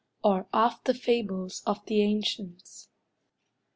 OR OF THE FABLES OF THE ANCIENTS.